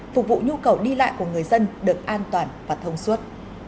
phục vụ nhu cầu đi lại của người dân được an toàn và thông suốt